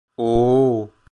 Ooo...